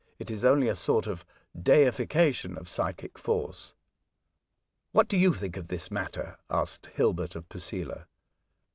It is only a sort of deification of psychic force." ^'What do you think of this matter?" asked Hilbert of Posela.